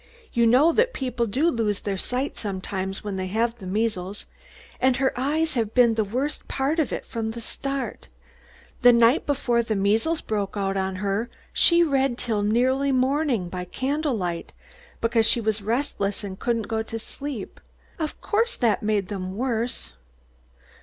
"You know that people do lose their sight sometimes when they have the measles, and her eyes have been the worst part of it from the start. The night before the measles broke out on her she read till nearly morning by candle light, because she was restless and couldn't go to sleep. Of course that made them worse."